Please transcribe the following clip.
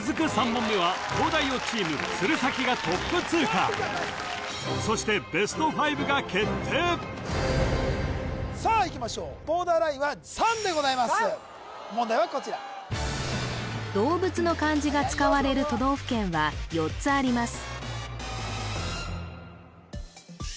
３問目は東大王チーム鶴崎がトップ通過そしてベスト５が決定さあいきましょうボーダーラインは３でございます問題はこちら動物の漢字が使われる都道府県は４つあります